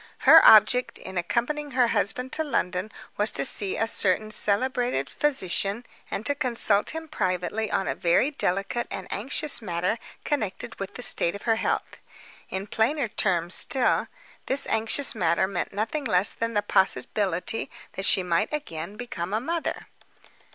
Her object in accompanying her husband to London was to see a certain celebrated physician, and to consult him privately on a very delicate and anxious matter connected with the state of her health. In plainer terms still, this anxious matter meant nothing less than the possibility that she might again become a mother.